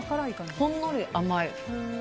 ほんのり甘い。